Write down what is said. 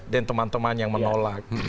dan teman teman yang menolak